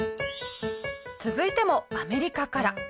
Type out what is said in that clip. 続いてもアメリカから。